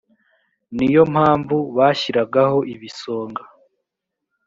ni yo mpamvu bashyiragaho ibisonga